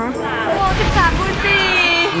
โอ๊ย๑๓คูณ๔